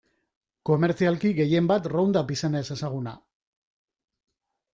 Komertzialki gehien bat Roundup izenez ezaguna.